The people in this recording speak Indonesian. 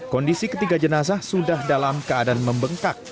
kondisi ketiga jenazah sudah dalam keadaan membengkak